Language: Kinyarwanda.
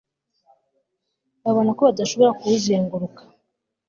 babona ko badashobora kuwuzenguruka